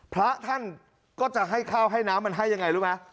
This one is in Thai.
พระท่านก็จะให้ข้าวให้น้ำมันให้ยังไงรู้ไหม